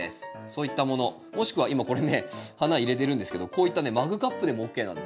そういったものもしくは今これね花入れてるんですけどこういったねマグカップでもＯＫなんですよ。